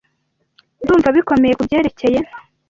Ndumva bikomeye kubyerekeye.